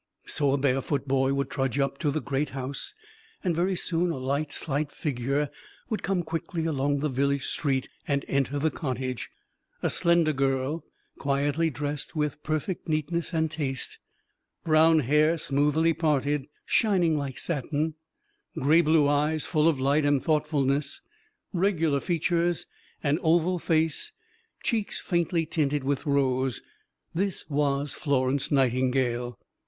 So a barefoot boy would trudge up to the great house, and very soon a light, slight figure would come quickly along the village street and enter the cottage. A slender girl, quietly dressed, with perfect neatness and taste; brown hair smoothly parted, shining like satin; gray blue eyes full of light and thoughtfulness; regular features, an oval face, cheeks faintly tinted with rose this was Florence Nightingale.